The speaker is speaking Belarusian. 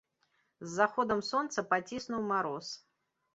З заходам сонца паціснуў мароз.